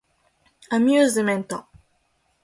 アミューズメント